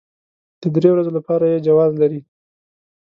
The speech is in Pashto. د درې ورځو لپاره يې جواز لري.